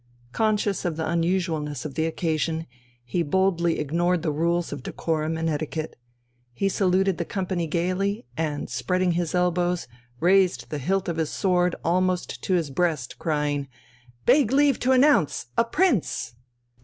Conscious of the unusualness of the occasion, he boldly ignored the rules of decorum and etiquette. He saluted the company gaily, and, spreading his elbows, raised the hilt of his sword almost to his breast crying: "Beg leave to announce: a prince!"